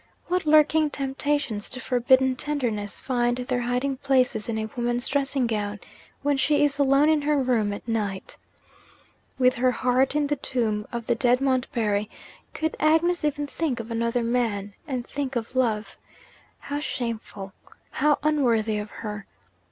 What lurking temptations to forbidden tenderness find their hiding places in a woman's dressing gown, when she is alone in her room at night! With her heart in the tomb of the dead Montbarry, could Agnes even think of another man, and think of love? How shameful! how unworthy of her!